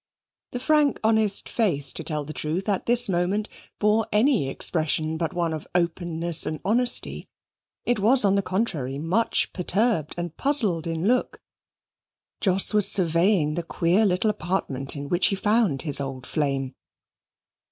The frank honest face, to tell the truth, at this moment bore any expression but one of openness and honesty: it was, on the contrary, much perturbed and puzzled in look. Jos was surveying the queer little apartment in which he found his old flame.